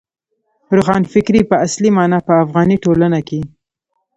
روښانفکرۍ په اصلي مانا په افغاني ټولنه کې.